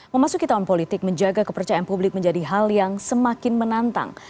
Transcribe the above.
memasuki tahun politik menjaga kepercayaan publik menjadi hal yang semakin menantang